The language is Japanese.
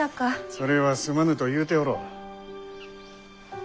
それは「すまぬ」と言うておろう。